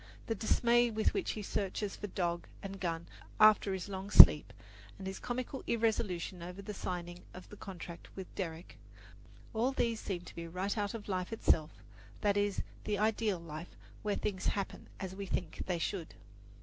the dismay with which he searches for dog and gun after his long sleep, and his comical irresolution over signing the contract with Derrick all these seem to be right out of life itself; that is, the ideal life, where things happen as we think they should.